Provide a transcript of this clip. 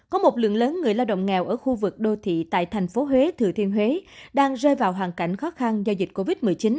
có một lượng lớn người lao động nghèo ở khu vực đô thị tại thành phố huế thừa thiên huế đang rơi vào hoàn cảnh khó khăn do dịch covid một mươi chín